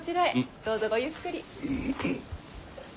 どうぞごゆっくり。